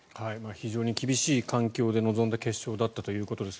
非常に厳しい環境で臨んだ決勝だったということです。